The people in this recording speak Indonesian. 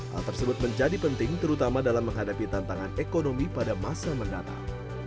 hal tersebut menjadi penting terutama dalam menghadapi tantangan ekonomi pada masa mendatang